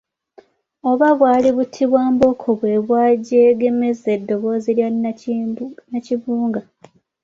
Oba bwali buti bwa mbooko bwe bwajegemeza eddoboozi lya Nnakibunga?